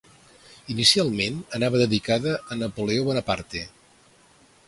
Inicialment, anava dedicada a Napoleó Bonaparte.